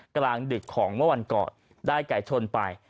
กลางดึกของเมื่อวันก่อนได้ไก่ชนไป